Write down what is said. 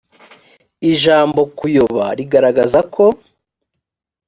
ijambo kuyoba rigaragaza ko